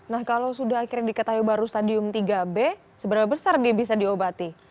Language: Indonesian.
nah kalau sudah akhirnya diketahui baru stadium tiga b seberapa besar dia bisa diobati